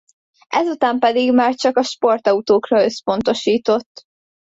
Ezután pedig már csak a sportautókra összpontosított.